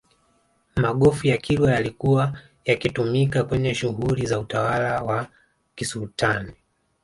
magofu ya kilwa yalikuwa yakitumika kwenye shughuli za utawala wa kisultani